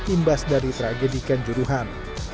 imbas dari tragedikan juruhan